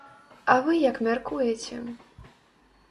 А вы як мяркуеце?